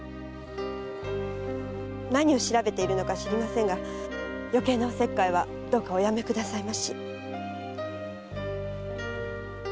何を調べているのか知りませんが余計なお節介はどうかおやめくださいまし。